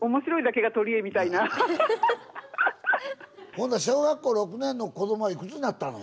ほんなら小学校６年の子どもはいくつになったの？